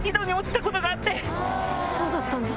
そうだったんだ。